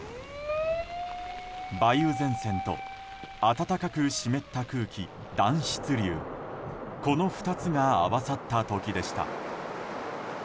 梅雨前線と暖かく湿った空気暖湿流この２つが合わさった時でした。